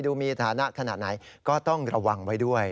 ดูมีฐานะขนาดไหนก็ต้องระวังไว้ด้วย